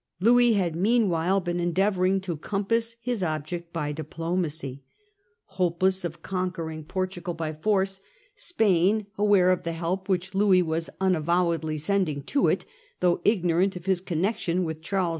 Louis had meanwhile been endeavouring to compass his object by diplomacy. Hopeless of conquering Por tugal by force, Spain, aware of the help which Louis was unavowedly sending to it, though ignorant of Jiis con (66*. io8 Louis and Spain, nection with Charles II.